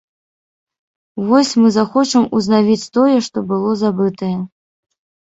Вось мы хочам узнавіць тое, што было забытае.